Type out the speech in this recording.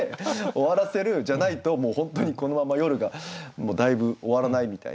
じゃないともう本当にこのまま夜がだいぶ終わらないみたいな。